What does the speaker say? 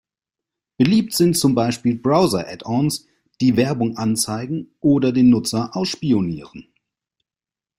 Beliebt sind zum Beispiel Browser-Addons, die Werbung anzeigen oder den Nutzer ausspionieren.